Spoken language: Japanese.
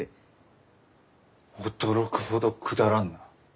驚くほどくだらんな。